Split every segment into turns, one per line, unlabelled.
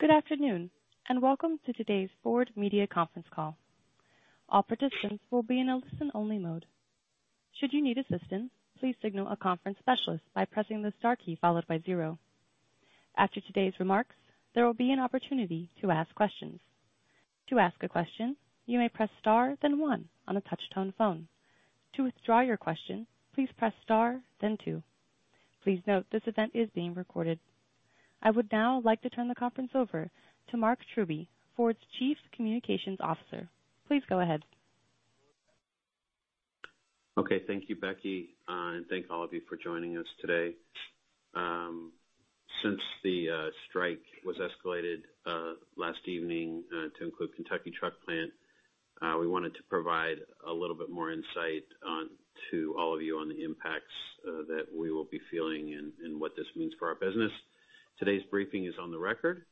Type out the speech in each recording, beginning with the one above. Good afternoon, and welcome to today's Ford Media conference call. All participants will be in a listen-only mode. Should you need assistance, please signal a conference specialist by pressing the star key followed by zero. After today's remarks, there will be an opportunity to ask questions. To ask a question, you may press star, then one on a touch-tone phone. To withdraw your question, please press star, then two. Please note, this event is being recorded. I would now like to turn the conference over to Mark Truby, Ford's Chief Communications Officer. Please go ahead.
Okay, thank you, Becky, and thank all of you for joining us today. Since the strike was escalated last evening to include Kentucky Truck Plant, we wanted to provide a little bit more insight on to all of you on the impacts that we will be feeling and what this means for our business. Today's briefing is on the record.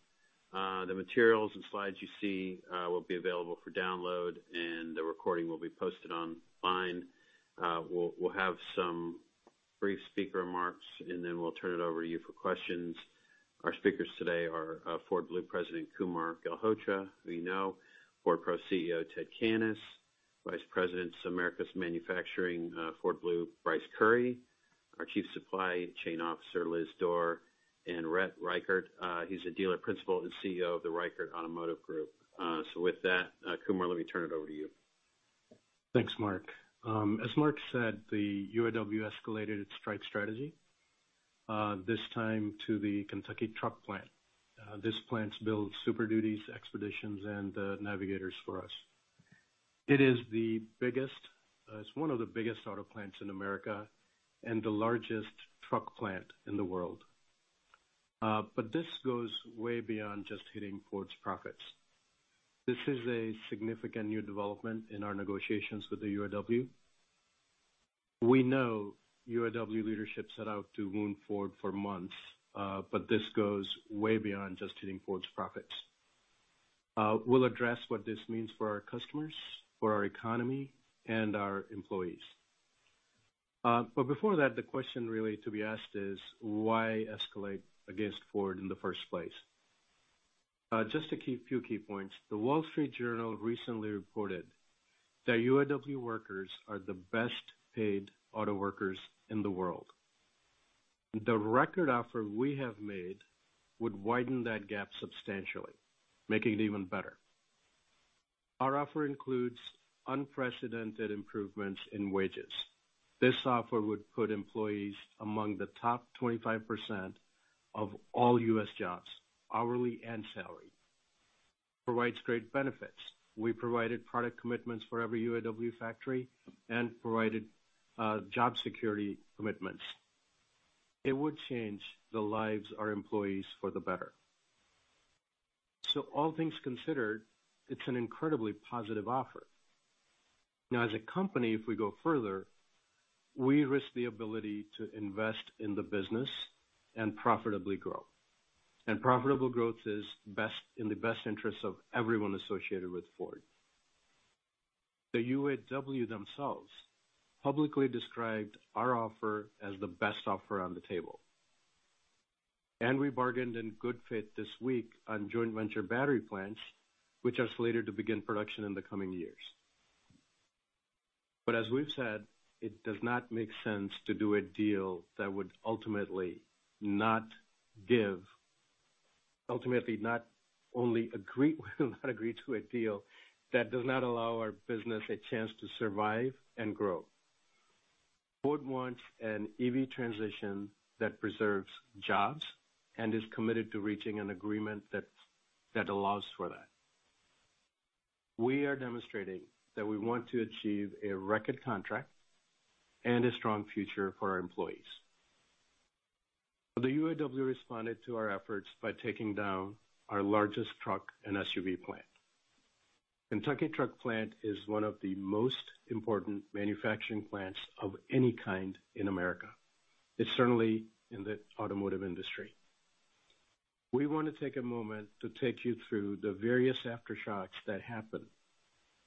The materials and slides you see will be available for download, and the recording will be posted online. We'll have some brief speaker remarks, and then we'll turn it over to you for questions. Our speakers today are Ford Blue President Kumar Galhotra, who you know, Ford Pro CEO Ted Cannis, Vice President, Americas Manufacturing, Ford Blue, Bryce Currie, our Chief Supply Chain Officer Liz Door, and Rhett Ricart. He's a Dealer Principal and CEO of the Ricart Automotive Group. So with that, Kumar, let me turn it over to you.
Thanks, Mark. As Mark said, the UAW escalated its strike strategy this time to the Kentucky Truck Plant. This plant builds Super Duty, Expeditions, and Navigators for us. It's one of the biggest auto plants in America and the largest truck plant in the world. But this goes way beyond just hitting Ford's profits. This is a significant new development in our negotiations with the UAW. We know UAW leadership set out to wound Ford for months, but this goes way beyond just hitting Ford's profits. We'll address what this means for our customers, for our economy, and our employees. But before that, the question really to be asked is: Why escalate against Ford in the first place? Just a few key points. The Wall Street Journal recently reported that UAW workers are the best-paid auto workers in the world. The record offer we have made would widen that gap substantially, making it even better. Our offer includes unprecedented improvements in wages. This offer would put employees among the top 25% of all U.S. jobs, hourly and salary. Provides great benefits. We provided product commitments for every UAW factory and provided job security commitments. It would change the lives of our employees for the better. All things considered, it's an incredibly positive offer. Now, as a company, if we go further, we risk the ability to invest in the business and profitably grow. Profitable growth is best in the best interest of everyone associated with Ford. The UAW themselves publicly described our offer as the best offer on the table, and we bargained in good faith this week on joint venture battery plants, which are slated to begin production in the coming years. But as we've said, it does not make sense to do a deal that would ultimately not give... Ultimately, not agree to a deal that does not allow our business a chance to survive and grow. Ford wants an EV transition that preserves jobs and is committed to reaching an agreement that, that allows for that. We are demonstrating that we want to achieve a record contract and a strong future for our employees. The UAW responded to our efforts by taking down our largest truck and SUV plant. Kentucky Truck Plant is one of the most important manufacturing plants of any kind in America. It's certainly in the automotive industry. We want to take a moment to take you through the various aftershocks that happen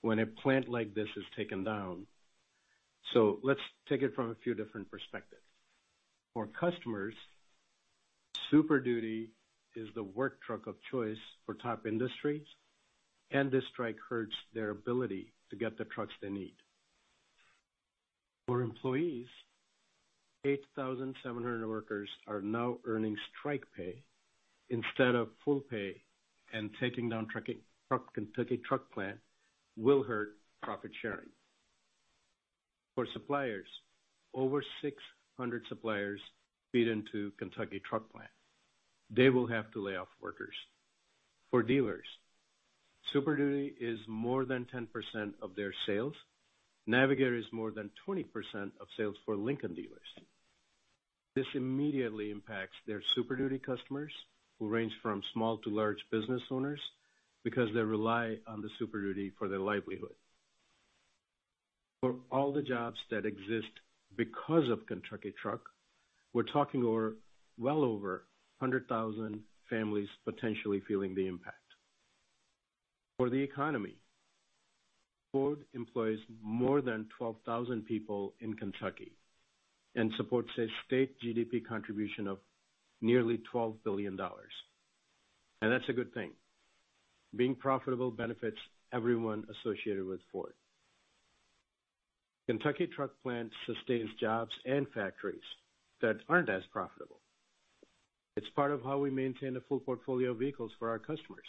when a plant like this is taken down, so let's take it from a few different perspectives. For customers, Super Duty is the work truck of choice for top industries, and this strike hurts their ability to get the trucks they need. For employees, 8,700 workers are now earning strike pay instead of full pay, and taking down truck, Kentucky Truck Plant will hurt profit sharing. For suppliers, over 600 suppliers feed into Kentucky Truck Plant. They will have to lay off workers. For dealers, Super Duty is more than 10% of their sales. Navigator is more than 20% of sales for Lincoln dealers. This immediately impacts their Super Duty customers, who range from small to large business owners, because they rely on the Super Duty for their livelihood. For all the jobs that exist because of Kentucky Truck, we're talking over, well over 100,000 families potentially feeling the impact. For the economy, Ford employs more than 12,000 people in Kentucky and supports a state GDP contribution of nearly $12 billion. And that's a good thing. Being profitable benefits everyone associated with Ford. Kentucky Truck Plant sustains jobs and factories that aren't as profitable. It's part of how we maintain a full portfolio of vehicles for our customers.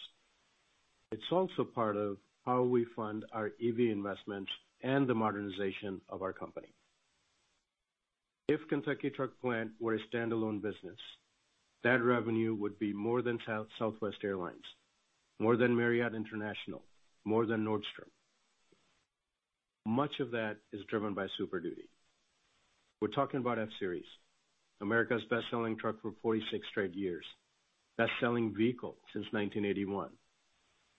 It's also part of how we fund our EV investments and the modernization of our company. If Kentucky Truck Plant were a standalone business, that revenue would be more than Southwest Airlines, more than Marriott International, more than Nordstrom. Much of that is driven by Super Duty. We're talking about F-Series, America's best-selling truck for 46 straight years, best-selling vehicle since 1981,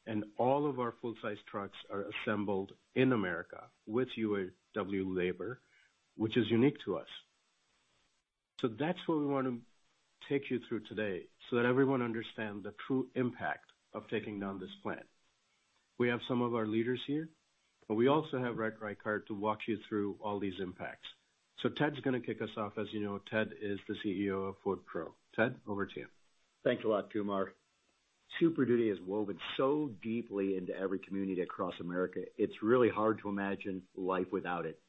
and all of our full-size trucks are assembled in America with UAW labor, which is unique to us. So that's what we wanna take you through today, so that everyone understand the true impact of taking down this plant. We have some of our leaders here, but we also have Rhett Ricart to walk you through all these impacts. So Ted's gonna kick us off. As you know, Ted is the CEO of Ford Pro. Ted, over to you.
Thanks a lot, Kumar. Super Duty is woven so deeply into every community across America, it's really hard to imagine life without it.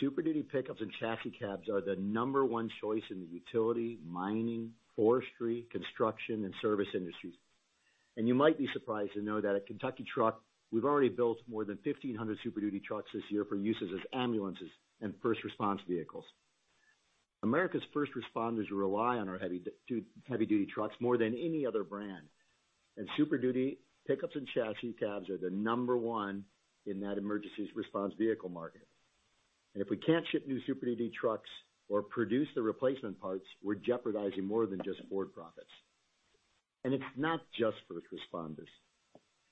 Super Duty pickups and chassis cabs are the number one choice in the utility, mining, forestry, construction, and service industries. You might be surprised to know that at Kentucky Truck, we've already built more than 1,500 Super Duty trucks this year for uses as ambulances and first response vehicles. America's first responders rely on our heavy-duty trucks more than any other brand, and Super Duty pickups and chassis cabs are the number one in that emergency response vehicle market. If we can't ship new Super Duty trucks or produce the replacement parts, we're jeopardizing more than just Ford profits. It's not just first responders.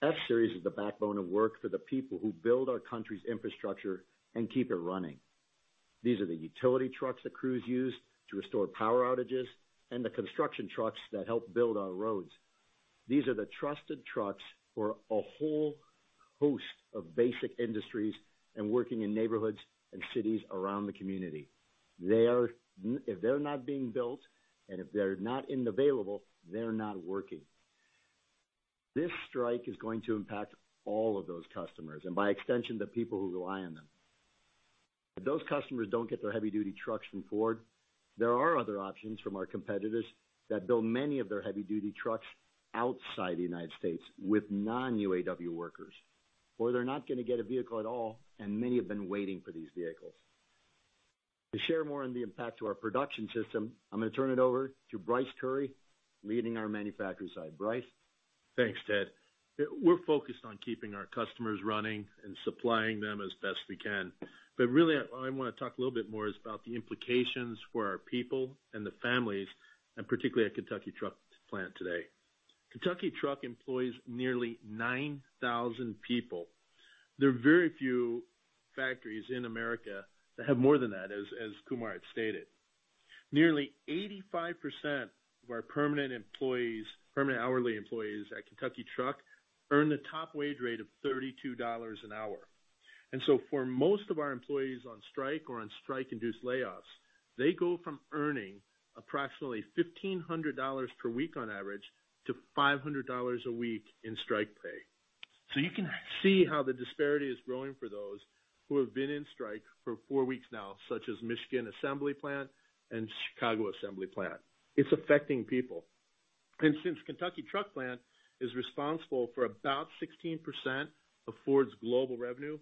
F-Series is the backbone of work for the people who build our country's infrastructure and keep it running. These are the utility trucks that crews use to restore power outages, and the construction trucks that help build our roads. These are the trusted trucks for a whole host of basic industries and working in neighborhoods and cities around the community. They are. If they're not being built and if they're not available, they're not working. This strike is going to impact all of those customers, and by extension, the people who rely on them. If those customers don't get their heavy-duty trucks from Ford, there are other options from our competitors that build many of their heavy-duty trucks outside the United States with non-UAW workers, or they're not gonna get a vehicle at all, and many have been waiting for these vehicles. To share more on the impact to our production system, I'm gonna turn it over to Bryce Currie, leading our manufacturing side. Bryce?
Thanks, Ted. We're focused on keeping our customers running and supplying them as best we can, but really, I wanna talk a little bit more is about the implications for our people and the families, and particularly at Kentucky Truck Plant today. Kentucky Truck employs nearly 9,000 people. There are very few factories in America that have more than that, as, as Kumar had stated. Nearly 85% of our permanent employees, permanent hourly employees at Kentucky Truck earn the top wage rate of $32 an hour. And so for most of our employees on strike or on strike-induced layoffs, they go from earning approximately $1,500 per week on average, to $500 a week in strike pay. So you can see how the disparity is growing for those who have been in strike for four weeks now, such as Michigan Assembly Plant and Chicago Assembly Plant. It's affecting people. Since Kentucky Truck Plant is responsible for about 16% of Ford's global revenue,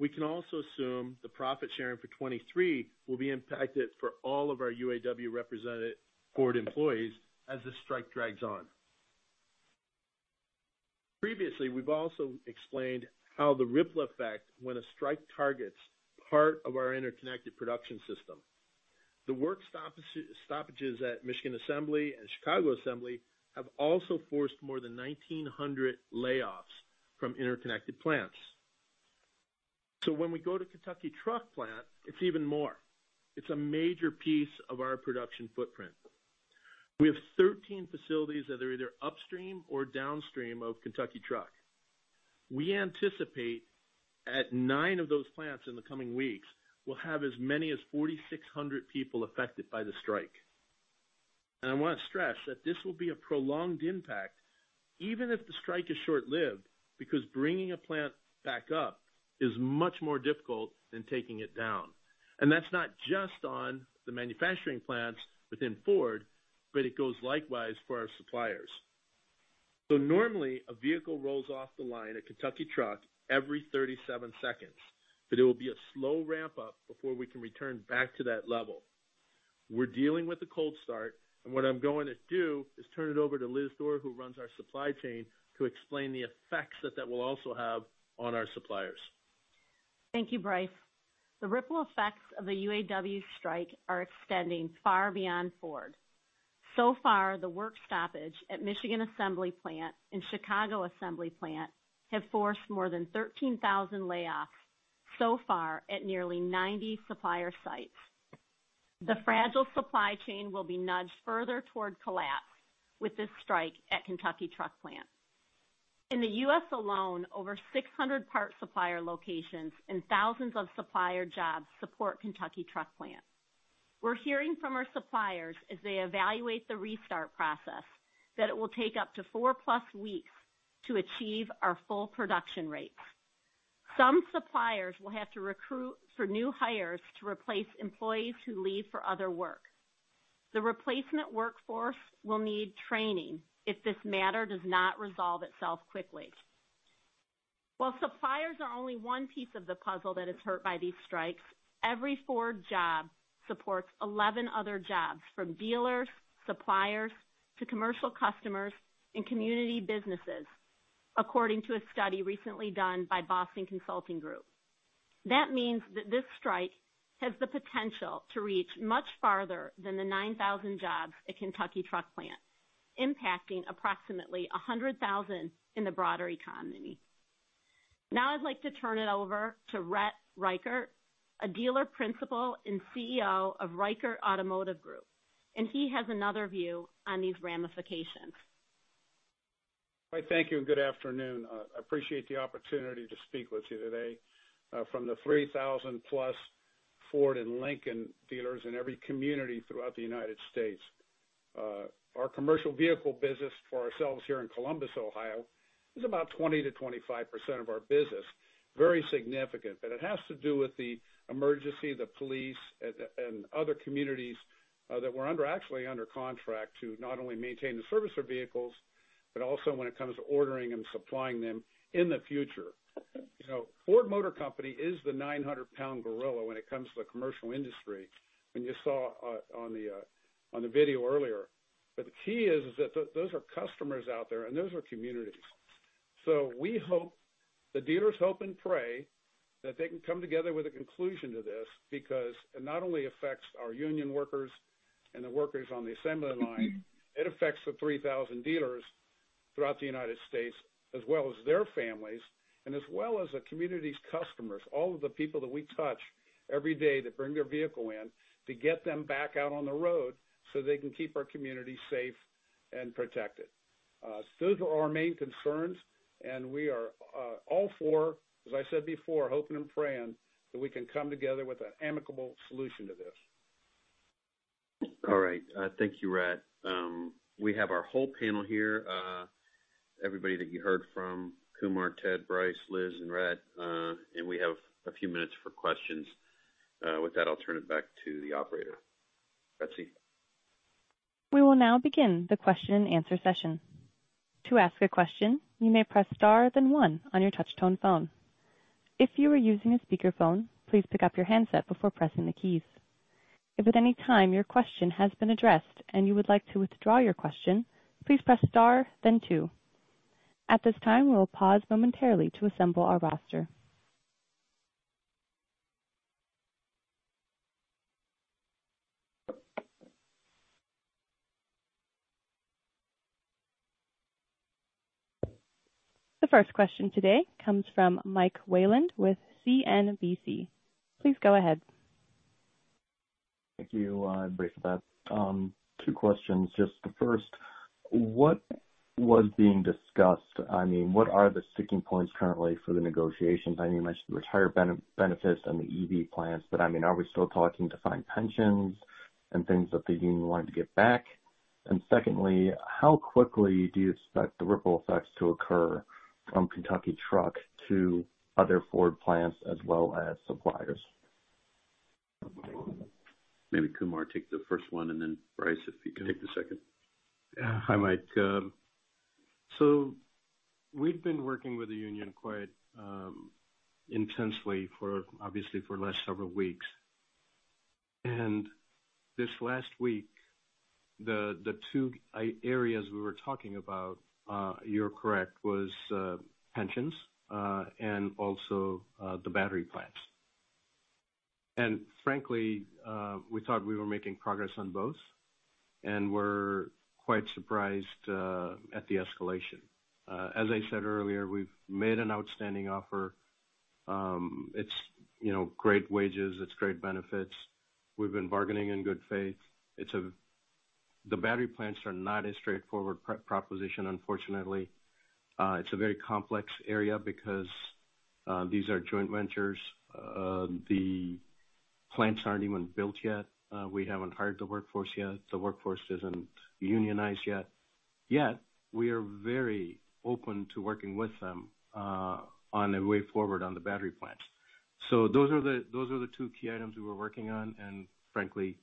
we can also assume the profit sharing for 2023 will be impacted for all of our UAW representative Ford employees as the strike drags on. Previously, we've also explained how the ripple effect, when a strike targets part of our interconnected production system. The work stoppages at Michigan Assembly and Chicago Assembly have also forced more than 1,900 layoffs from interconnected plants. So when we go to Kentucky Truck Plant, it's even more. It's a major piece of our production footprint. We have 13 facilities that are either upstream or downstream of Kentucky Truck. We anticipate at nine of those plants in the coming weeks will have as many as 4,600 people affected by the strike. And I wanna stress that this will be a prolonged impact, even if the strike is short-lived, because bringing a plant back up is much more difficult than taking it down. And that's not just on the manufacturing plants within Ford, but it goes likewise for our suppliers. So normally, a vehicle rolls off the line at Kentucky Truck every 37 seconds, but it will be a slow ramp up before we can return back to that level. We're dealing with a cold start, and what I'm going to do is turn it over to Liz Door, who runs our supply chain, to explain the effects that that will also have on our suppliers.
Thank you, Bryce. The ripple effects of the UAW strike are extending far beyond Ford. So far, the work stoppage at Michigan Assembly Plant and Chicago Assembly Plant have forced more than 13,000 layoffs so far at nearly 90 supplier sites. The fragile supply chain will be nudged further toward collapse with this strike at Kentucky Truck Plant. In the U.S. alone, over 600 part supplier locations and thousands of supplier jobs support Kentucky Truck Plant. We're hearing from our suppliers as they evaluate the restart process, that it will take up to four plus weeks to achieve our full production rates. Some suppliers will have to recruit for new hires to replace employees who leave for other work. The replacement workforce will need training if this matter does not resolve itself quickly. While suppliers are only one piece of the puzzle that is hurt by these strikes, every Ford job supports 11 other jobs, from dealers, suppliers, to commercial customers and community businesses, according to a study recently done by Boston Consulting Group. That means that this strike has the potential to reach much farther than the 9,000 jobs at Kentucky Truck Plant, impacting approximately 100,000 in the broader economy. Now I'd like to turn it over to Rhett Ricart, a dealer principal and CEO of Reichert Automotive Group, and he has another view on these ramifications.
Why, thank you, and good afternoon. I appreciate the opportunity to speak with you today from the 3,000-plus Ford and Lincoln dealers in every community throughout the United States. Our commercial vehicle business for ourselves here in Columbus, Ohio, is about 20%-25% of our business. Very significant, but it has to do with the emergency, the police, and other communities that we're under, actually under contract to not only maintain and service our vehicles, but also when it comes to ordering and supplying them in the future. You know, Ford Motor Company is the 900-pound gorilla when it comes to the commercial industry, and you saw on the video earlier. But the key is that those are customers out there, and those are communities. So we hope... The dealers hope and pray that they can come together with a conclusion to this, because it not only affects our union workers and the workers on the assembly line, it affects the 3,000 dealers throughout the United States, as well as their families, and as well as the community's customers, all of the people that we touch every day that bring their vehicle in, to get them back out on the road so they can keep our community safe and protected. Those are our main concerns, and we are all for, as I said before, hoping and praying that we can come together with an amicable solution to this.
All right. Thank you, Rhett. We have our whole panel here, everybody that you heard from, Kumar, Ted, Bryce, Liz, and Rhett. And we have a few minutes for questions. With that, I'll turn it back to the operator. Betsy?
We will now begin the question and answer session. To ask a question, you may press star, then one on your touch tone phone. If you are using a speakerphone, please pick up your handset before pressing the keys. If at any time your question has been addressed and you would like to withdraw your question, please press star, then two. At this time, we will pause momentarily to assemble our roster. The first question today comes from Mike Wayland with CNBC. Please go ahead.
Thank you, Betsy. Two questions. Just the first, what was being discussed? I mean, what are the sticking points currently for the negotiations? I know you mentioned the retired benefits and the EV plans, but, I mean, are we still talking defined pensions and things that the union wanted to get back? And secondly, how quickly do you expect the ripple effects to occur from Kentucky Truck to other Ford plants as well as suppliers?
Maybe, Kumar, take the first one, and then, Bryce, if you can take the second.
Yeah. Hi, Mike. So we've been working with the union quite intensely for, obviously for the last several weeks. And this last week, the two areas we were talking about, you're correct, was pensions and also the battery plants. And frankly, we thought we were making progress on both, and we're quite surprised at the escalation. As I said earlier, we've made an outstanding offer. It's, you know, great wages, it's great benefits. We've been bargaining in good faith. It's a... The battery plants are not a straightforward proposition, unfortunately. It's a very complex area because these are joint ventures. The plants aren't even built yet. We haven't hired the workforce yet. The workforce isn't unionized yet. Yet, we are very open to working with them, on a way forward on the battery plants. So those are the, those are the two key items we were working on, and frankly,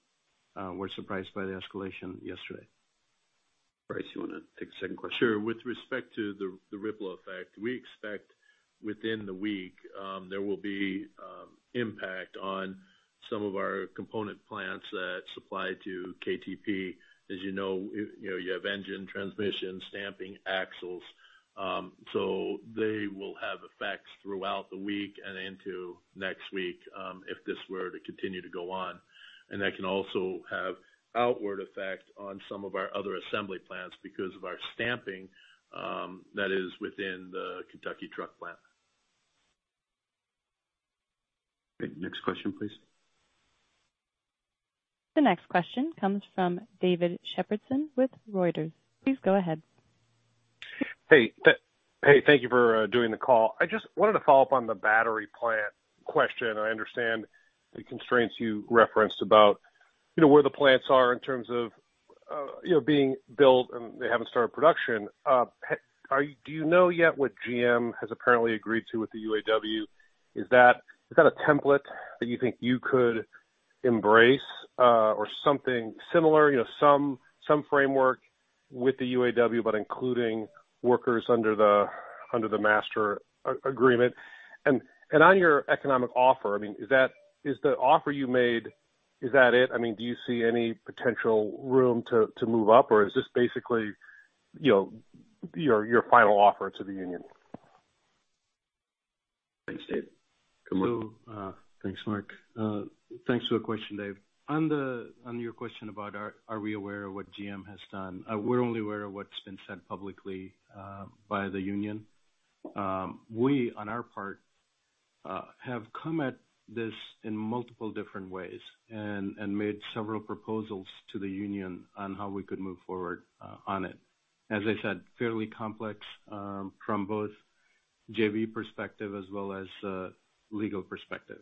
we're surprised by the escalation yesterday.
Bryce, you want to take the second question?
Sure. With respect to the ripple effect, we expect within the week there will be impact on some of our component plants that supply to KTP. As you know, you know, you have engine, transmission, stamping, axles, so they will have effects throughout the week and into next week if this were to continue to go on. And that can also have outward effect on some of our other assembly plants because of our stamping that is within the Kentucky Truck Plant.
Next question, please.
The next question comes from David Shepardson with Reuters. Please go ahead.
Hey, thank you for doing the call. I just wanted to follow up on the battery plant question. I understand the constraints you referenced about, you know, where the plants are in terms of, you know, being built, and they haven't started production. Do you know yet what GM has apparently agreed to with the UAW? Is that, is that a template that you think you could embrace, or something similar, you know, some framework with the UAW, but including workers under the, under the master agreement? And, and on your economic offer, I mean, is that, is the offer you made, is that it? I mean, do you see any potential room to move up, or is this basically, you know, your final offer to the union?
Thanks, Dave. Kumar?
So, thanks, Mark. Thanks for the question, Dave. On your question about are we aware of what GM has done, we're only aware of what's been said publicly by the union. We, on our part, have come at this in multiple different ways and made several proposals to the union on how we could move forward on it. As I said, fairly complex from both JV perspective as well as legal perspective.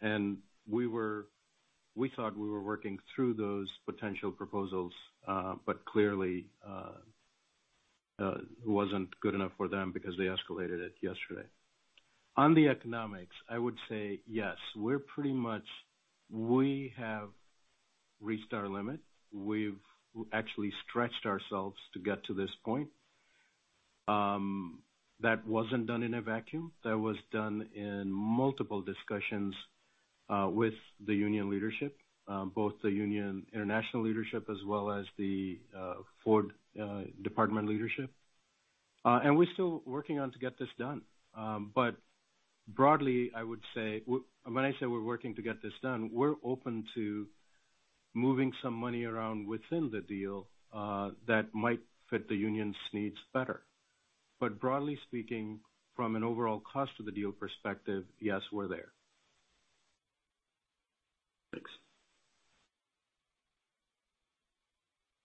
And we were... We thought we were working through those potential proposals, but clearly it wasn't good enough for them because they escalated it yesterday. On the economics, I would say, yes, we're pretty much, we have reached our limit. We've actually stretched ourselves to get to this point. That wasn't done in a vacuum. That was done in multiple discussions with the union leadership, both the union international leadership as well as the Ford department leadership. And we're still working on to get this done. But broadly, I would say, when I say we're working to get this done, we're open to moving some money around within the deal that might fit the union's needs better. But broadly speaking, from an overall cost of the deal perspective, yes, we're there.
Thanks.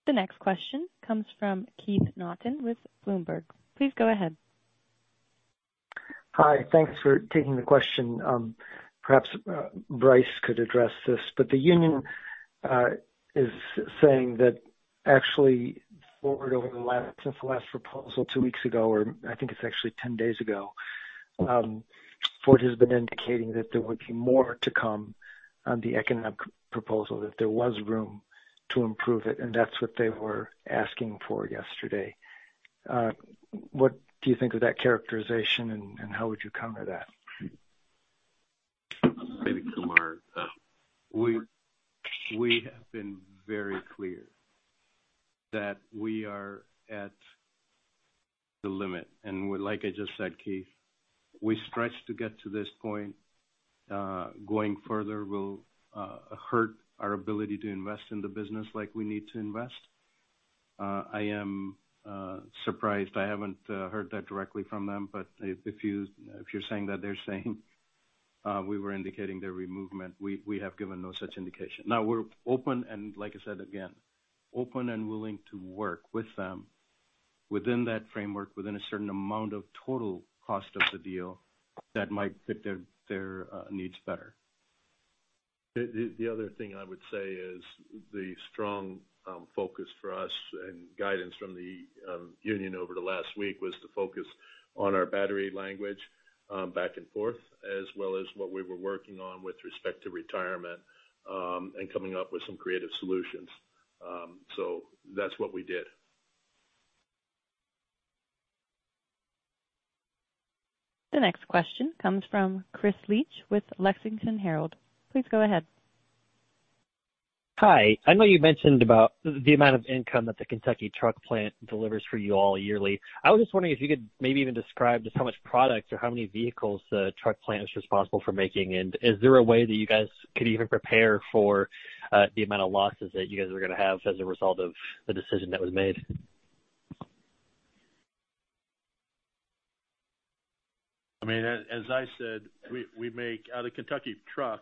The next question comes from Keith Naughton with Bloomberg. Please go ahead.
Hi. Thanks for taking the question. Perhaps, Bryce could address this, but the union is saying that actually Ford, over the last, since the last proposal two weeks ago, or I think it's actually ten days ago, Ford has been indicating that there would be more to come on the economic proposal, that there was room to improve it, and that's what they were asking for yesterday. What do you think of that characterization, and, and how would you counter that?
Maybe, Kumar. We, we have been very clear that we are at the limit, and like I just said, Keith, we stretched to get to this point. Going further will hurt our ability to invest in the business like we need to invest. I am surprised I haven't heard that directly from them, but if, if you, if you're saying that they're saying we were indicating there were movement, we, we have given no such indication. Now, we're open and like I said again, open and willing to work with them within that framework, within a certain amount of total cost of the deal that might fit their, their needs better.
The other thing I would say is the strong focus for us and guidance from the union over the last week was to focus on our battery language back and forth, as well as what we were working on with respect to retirement and coming up with some creative solutions. So that's what we did.
The next question comes from Chris Leach with Lexington Herald. Please go ahead.
Hi. I know you mentioned about the amount of income that the Kentucky Truck Plant delivers for you all yearly. I was just wondering if you could maybe even describe just how much product or how many vehicles the Truck Plant is responsible for making, and is there a way that you guys could even prepare for the amount of losses that you guys are going to have as a result of the decision that was made?
I mean, as I said, we make out of Kentucky truck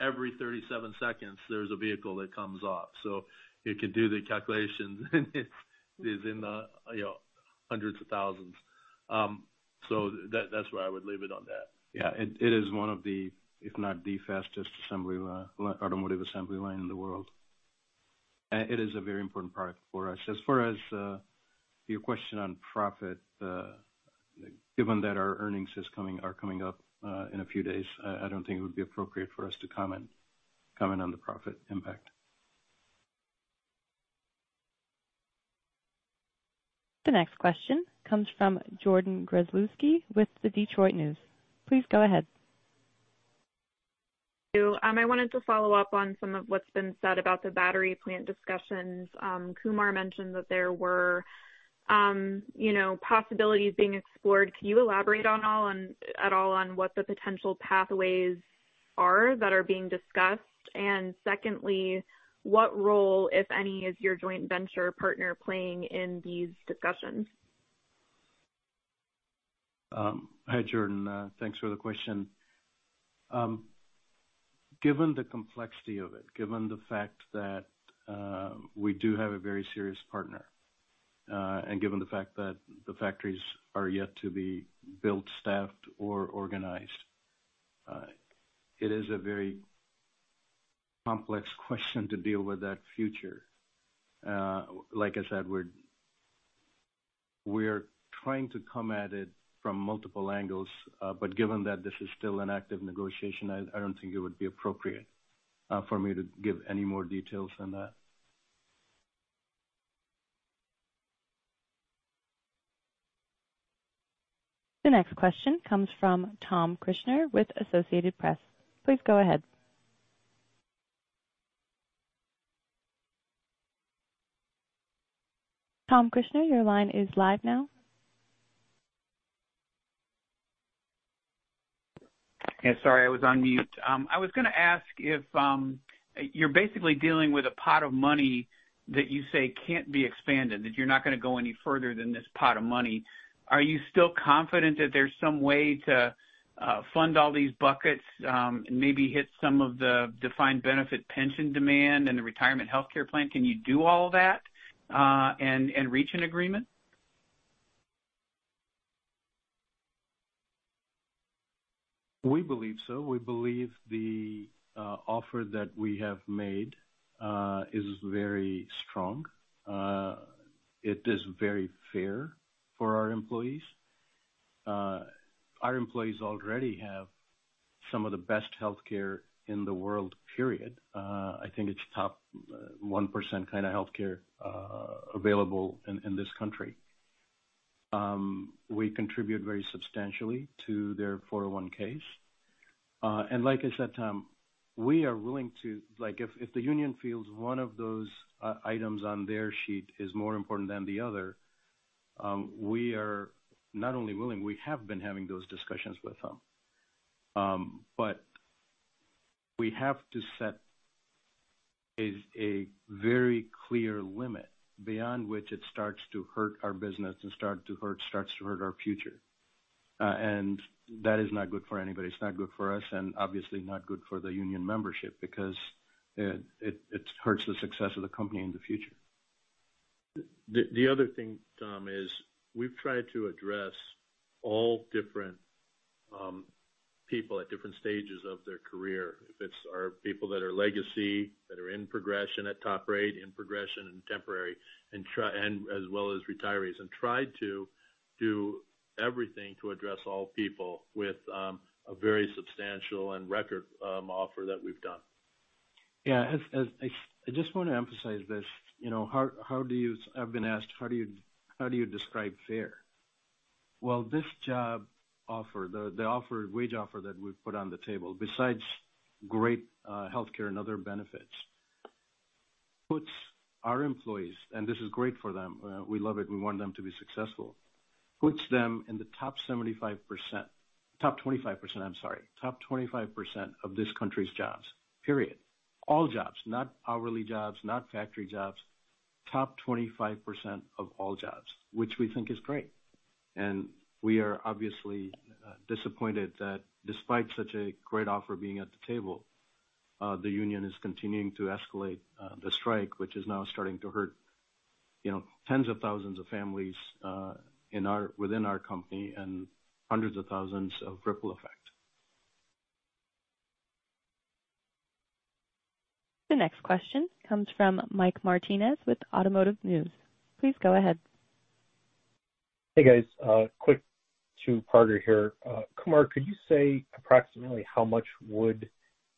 every 37 seconds, there's a vehicle that comes off, so you can do the calculations. It is in the, you know, hundreds of thousands. So that's where I would leave it on that.
Yeah, it is one of the, if not the fastest assembly line, automotive assembly line in the world. It is a very important product for us. As far as your question on profit, given that our earnings are coming up in a few days, I don't think it would be appropriate for us to comment on the profit impact.
The next question comes from Jordyn Grzelewski with The Detroit News. Please go ahead.
I wanted to follow up on some of what's been said about the battery plant discussions. Kumar mentioned that there were, you know, possibilities being explored. Can you elaborate on all, on, at all on what the potential pathways...are that are being discussed? And secondly, what role, if any, is your joint venture partner playing in these discussions?
Hi, Jordan, thanks for the question. Given the complexity of it, given the fact that we do have a very serious partner, and given the fact that the factories are yet to be built, staffed, or organized, it is a very complex question to deal with that future. Like I said, we're trying to come at it from multiple angles, but given that this is still an active negotiation, I don't think it would be appropriate for me to give any more details than that.
The next question comes from Tom Krisher with Associated Press. Please go ahead. Tom Krisher, your line is live now.
Yeah, sorry, I was on mute. I was gonna ask if you're basically dealing with a pot of money that you say can't be expanded, that you're not gonna go any further than this pot of money. Are you still confident that there's some way to fund all these buckets, and maybe hit some of the defined benefit pension demand and the retirement health care plan? Can you do all of that, and reach an agreement?
We believe so. We believe the offer that we have made is very strong. It is very fair for our employees. Our employees already have some of the best healthcare in the world, period. I think it's top 1% kind of healthcare available in this country. We contribute very substantially to their 401(k)s. And like I said, Tom, we are willing to... Like, if the union feels one of those items on their sheet is more important than the other, we are not only willing, we have been having those discussions with them. But we have to set a very clear limit beyond which it starts to hurt our business and starts to hurt our future. And that is not good for anybody. It's not good for us and obviously not good for the union membership because it hurts the success of the company in the future.
The other thing, Tom, is we've tried to address all different people at different stages of their career. If it's our people that are legacy, that are in progression at top rate, in progression and temporary, and as well as retirees, and tried to do everything to address all people with a very substantial and record offer that we've done.
Yeah, as I just want to emphasize this, you know, how do you, I've been asked: How do you describe fair? Well, this job offer, the offer, wage offer that we've put on the table, besides great healthcare and other benefits, puts our employees, and this is great for them, we love it, we want them to be successful, puts them in the top 75%... top 25%, I'm sorry, top 25% of this country's jobs, period. All jobs, not hourly jobs, not factory jobs, top 25% of all jobs, which we think is great. We are obviously disappointed that despite such a great offer being at the table, the union is continuing to escalate the strike, which is now starting to hurt, you know, tens of thousands of families within our company and hundreds of thousands of ripple effect.
The next question comes from Mike Martinez with Automotive News. Please go ahead.
Hey, guys. Quick two-parter here. Kumar, could you say approximately how much would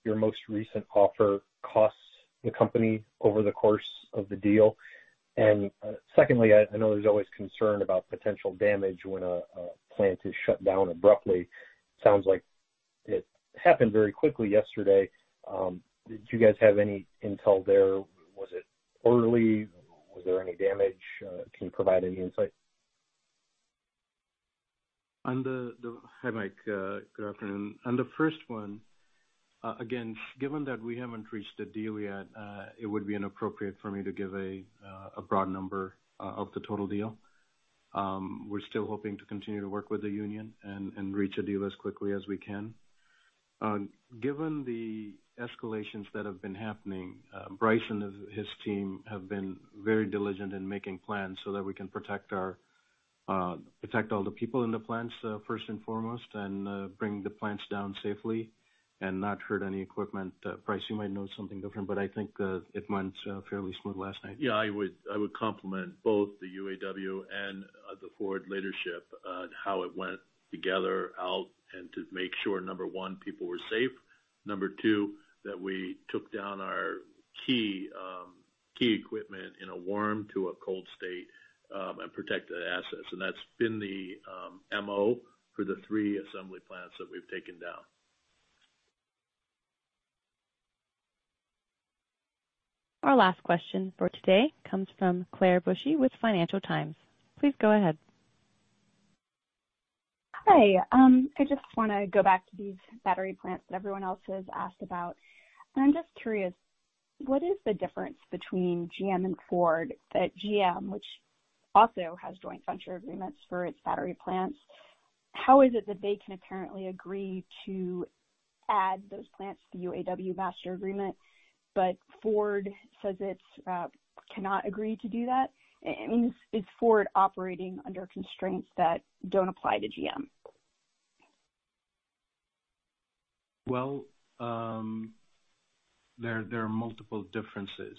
your most recent offer cost the company over the course of the deal? And, secondly, I know there's always concern about potential damage when a plant is shut down abruptly. Sounds like it happened very quickly yesterday. Did you guys have any intel there? Was it orderly? Was there any damage? Can you provide any insight?
Hi, Mike, good afternoon. On the first one, again, given that we haven't reached a deal yet, it would be inappropriate for me to give a broad number of the total deal. We're still hoping to continue to work with the union and reach a deal as quickly as we can. Given the escalations that have been happening, Bryce and his team have been very diligent in making plans so that we can protect all the people in the plants, first and foremost, and bring the plants down safely and not hurt any equipment. Bryce, you might know something different, but I think it went fairly smooth last night.
Yeah, I would compliment both the UAW and the Ford leadership on how it went together out and to make sure, number 1, people were safe. Number 2, that we took down our key key equipment in a warm to a cold state, and protected the assets. And that's been the MO for the 3 assembly plants that we've taken down.
Our last question for today comes from Claire Bushey with Financial Times. Please go ahead.
Hi, I just want to go back to these battery plants that everyone else has asked about, and I'm just curious, what is the difference between GM and Ford? That GM, which also has joint venture agreements for its battery plants, how is it that they can apparently agree to add those plants to the UAW master agreement, but Ford says it cannot agree to do that? I mean, is Ford operating under constraints that don't apply to GM?
Well, there are multiple differences.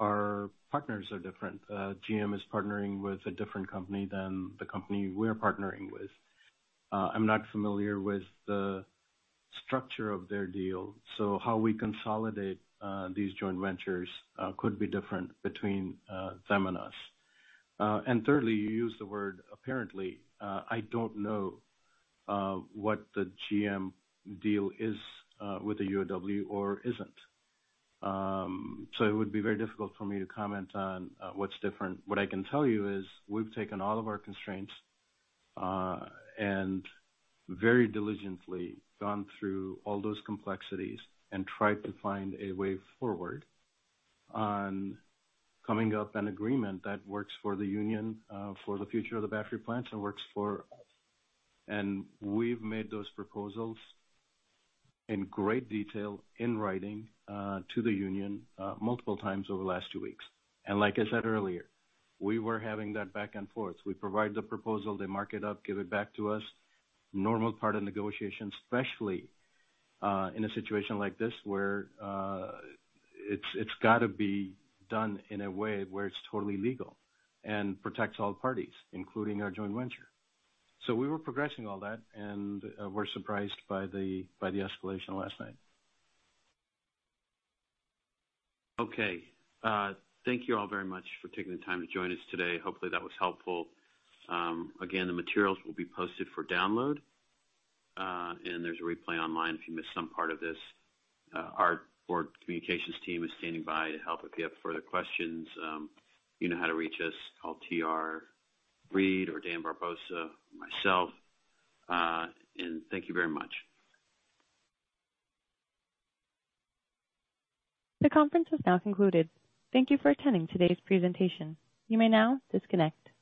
Our partners are different. GM is partnering with a different company than the company we're partnering with. I'm not familiar with the structure of their deal, so how we consolidate these joint ventures could be different between them and us. And thirdly, you use the word apparently. I don't know what the GM deal is with the UAW or isn't. So it would be very difficult for me to comment on what's different. What I can tell you is we've taken all of our constraints and very diligently gone through all those complexities and tried to find a way forward on coming up an agreement that works for the union for the future of the battery plants, and works for us. We've made those proposals in great detail, in writing, to the union, multiple times over the last two weeks. Like I said earlier, we were having that back and forth. We provide the proposal, they mark it up, give it back to us. Normal part of negotiations, especially, in a situation like this, where it's got to be done in a way where it's totally legal and protects all parties, including our joint venture. We were progressing all that, and we're surprised by the escalation last night.
Okay. Thank you all very much for taking the time to join us today. Hopefully, that was helpful. Again, the materials will be posted for download, and there's a replay online if you missed some part of this. Our board communications team is standing by to help if you have further questions. You know how to reach us. Call T.R. Reid or Dan Barbosa or myself, and thank you very much.
The conference is now concluded. Thank you for attending today's presentation. You may now disconnect.